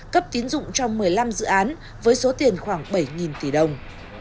cấp tiến dụng trong một mươi năm dự án với số tiền khoảng bảy tỷ đồng